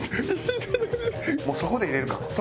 もうそこで入れるか。